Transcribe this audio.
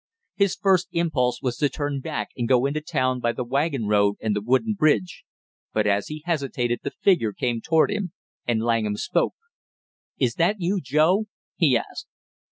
His first impulse was to turn back and go into town by the wagon road and the wooden bridge, but as he hesitated the figure came toward him, and Langham spoke. "Is that you, Joe?" he asked.